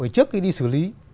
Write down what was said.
trước khi đi xử lý